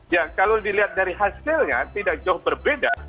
ya kalau dilihat dari hasilnya tidak jauh berbeda